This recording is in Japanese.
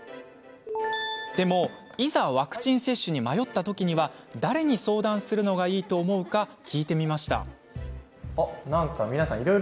でも、いざワクチン接種に迷ったときには誰に相談するのがいいと思うか聞いてみました。